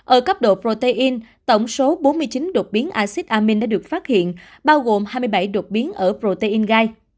ở cấp độ protein tổng số bốn mươi chín đột biến acid amin đã được phát hiện bao gồm hai mươi bảy đột biến ở protein gai